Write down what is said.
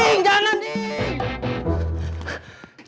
degh jangan degh